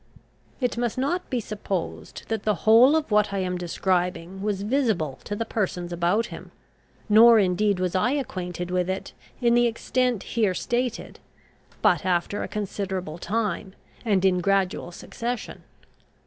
It must not be supposed that the whole of what I am describing was visible to the persons about him; nor, indeed, was I acquainted with it in the extent here stated but after a considerable time, and in gradual succession.